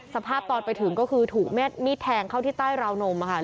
สภาพตอนไปถึงก็คือถูกมีดแทงเข้าที่ใต้ราวนมค่ะ